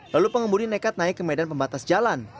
lalu pengembudi nekat naik ke medan pembatas jalan